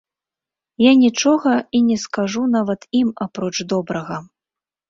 Я нічога і не скажу нават ім, апроч добрага.